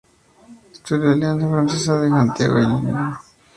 Estudió en la Alianza Francesa de Santiago y en el Liceo No.